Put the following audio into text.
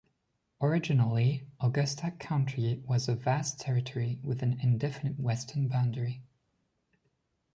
Originally, Augusta County was a vast territory with an indefinite western boundary.